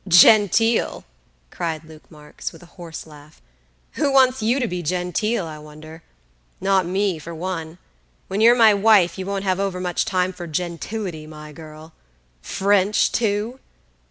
"Genteel!" cried Luke Marks, with a hoarse laugh; "who wants you to be genteel, I wonder? Not me, for one; when you're my wife you won't have overmuch time for gentility, my girl. French, too!